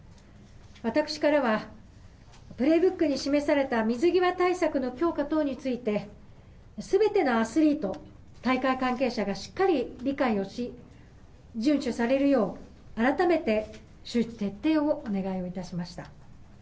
私からは、プレーブックに示された水際対策の強化等について、すべてのアスリート、大会関係者がしっかり理解をし、順守されるよう、改めて周知徹底をお願いをいたしました。